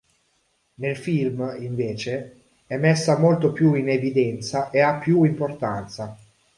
Nel film, invece, è messa molto più in evidenza e ha più importanza.